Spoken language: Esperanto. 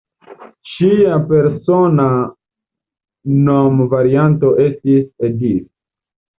Ŝia persona nomvarianto estis "Edith".